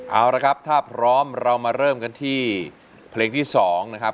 เอาละครับถ้าพร้อมเรามาเริ่มกันที่เพลงที่๒นะครับ